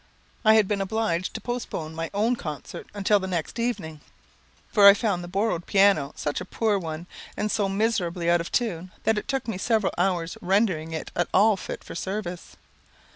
I had been obliged to postpone my own concert until the next evening, for I found the borrowed piano such a poor one, and so miserably out of tune, that it took me several hours rendering it at all fit for service.